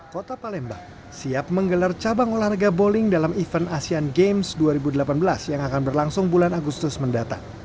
kota palembang siap menggelar cabang olahraga bowling dalam event asean games dua ribu delapan belas yang akan berlangsung bulan agustus mendatang